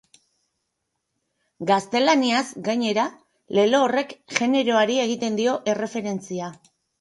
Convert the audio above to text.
Gaztelaniaz, gainera, lelo horrek generoari egiten dio erreferentzia.